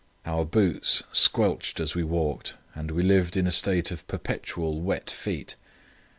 Our boots squelched as we walked, and we lived in a state of perpetual wet feet.